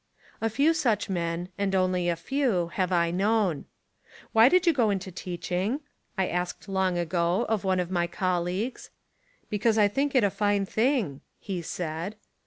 A few such men, and only a few, have I known. "Why did you go into teaching?" I asked long ago of one of my colleagues. "Be cause I think it a fine thing," he said.